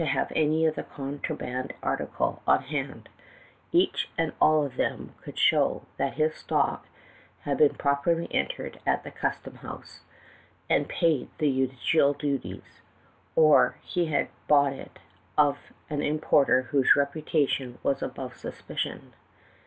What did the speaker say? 299 have any of the contraband article on hand ; each and all of them could show that his stock had been properly entered at the customs house, and paid the usual duties, or he had bought it of an importer whose reputation was above suspicion.